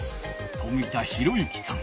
冨田洋之さん。